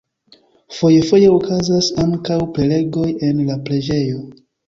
Foje-foje okazas ankaŭ prelegoj en la preĝejo.